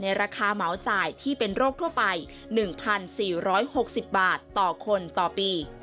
ราคาเหมาจ่ายที่เป็นโรคทั่วไป๑๔๖๐บาทต่อคนต่อปี